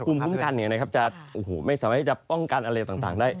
ภูมิคุ้มกันจะไม่สามารถที่จะป้องกันอะไรต่างได้